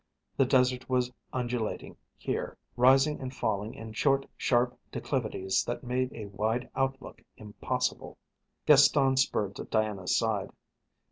The desert was undulating here, rising and falling in short, sharp declivities that made a wide outlook impossible. Gaston spurred to Diana's side.